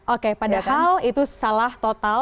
oke padahal itu salah total